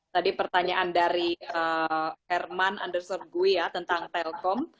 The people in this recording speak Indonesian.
tadi pertanyaan dari herman underserved gue ya tentang telkom